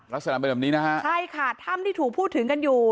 ลักษณะเป็นแบบนี้นะฮะใช่ค่ะถ้ำที่ถูกพูดถึงกันอยู่